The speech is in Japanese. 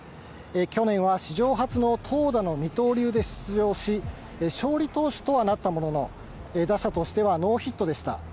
去年は史上初の投打の二刀流で出場し、勝利投手とはなったものの、打者としてはノーヒットでした。